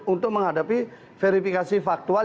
untuk menghadapi verifikasi faktual